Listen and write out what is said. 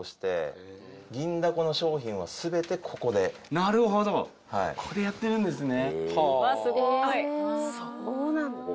なるほどここでやってるんですね。